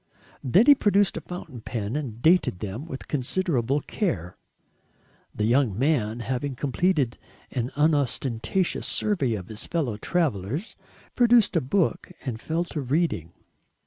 Then he produced a fountain pen and dated them with considerable care. The young man, having completed an unostentatious survey of his fellow travellers, produced a book and fell to reading.